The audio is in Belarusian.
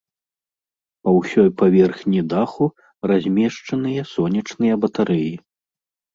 На ўсёй паверхні даху размешчаныя сонечныя батарэі.